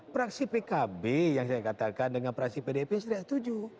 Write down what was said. fraksi pkb yang saya katakan dengan praksi pdip setuju